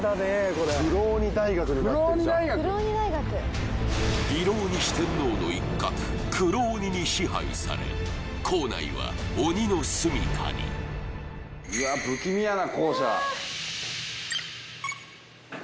これ「黒鬼大学」になってる黒鬼大学色鬼四天王の一角黒鬼に支配され校内は鬼のすみかにうわ不気味やな校舎